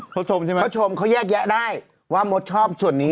เขาจะชมแล้วเขาแยกแยะได้ว่าม็อตชอบส่วนนี้